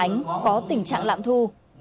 phụ huynh phản ánh có tình trạng lạm thu